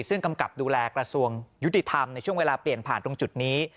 ซึ่งกำกับดูแลกระทรวงยุติธรรมในช่วงเวลาเปลี่ยนผ่านตรงจุดนี้